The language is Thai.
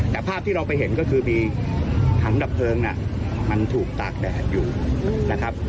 แต่ภาพที่เราไปเห็นก็คือมีถังดับเพลิงมันถูกตากแดดอยู่นะครับ